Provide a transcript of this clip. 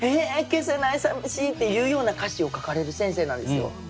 消せないさみしい！」っていうような歌詞を書かれる先生なんですよ。